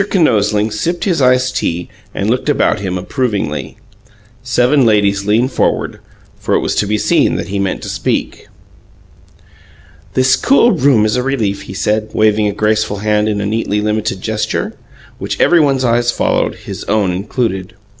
Kinosling sipped his iced tea and looked about, him approvingly. Seven ladies leaned forward, for it was to be seen that he meant to speak. "This cool room is a relief," he said, waving a graceful hand in a neatly limited gesture, which everybody's eyes followed, his own included.